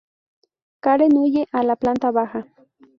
Karen huye a la planta baja.